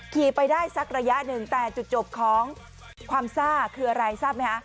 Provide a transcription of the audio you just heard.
ขี่ไปได้สักระยะหนึ่งแต่จุดจบของความซ่าคืออะไรทราบไหมคะ